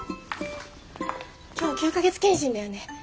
今日９か月健診だよね？